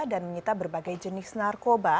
dan menyita berbagai jenis narkoba